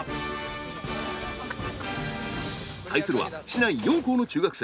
対するは市内４校の中学生。